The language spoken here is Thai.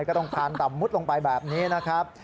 ก็ต้องทานต่ำมุดลงไปแบบนี้นะครับ